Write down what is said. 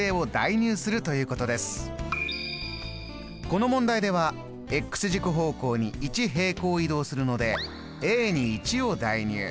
この問題では軸方向に１平行移動するのでに１を代入。